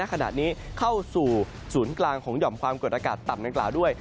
ขณะนี้เข้าสู่ศูนย์กลางของหย่อมความกดอากาศต่ำดังกล่าวด้วย